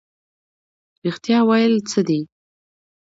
رښتیا ویل څه دي؟